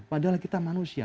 padahal kita manusia